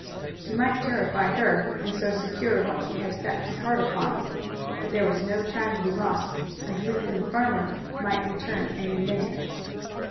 He might terrify her, and so secure what he had set his heart upon. But there was no time to be lost, as Luke and the farmer might return any minute.